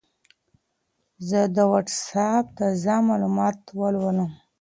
زه د وټساپ تازه معلومات ولولم.